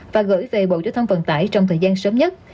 và gửi về bộ giao thông vận tải trong thời gian sớm nhất